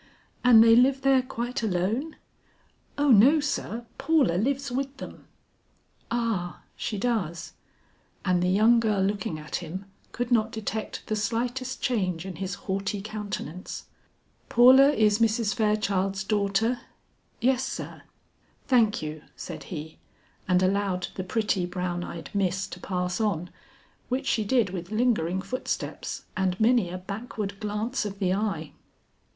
"And they live there quite alone?" "O no sir, Paula lives with them." "Ah, she does;" and the young girl looking at him could not detect the slightest change in his haughty countenance. "Paula is Mrs. Fairchild's daughter." "Yes, sir." "Thank you," said he, and allowed the pretty brown eyed miss to pass on, which she did with lingering footsteps and many a backward glance of the eye.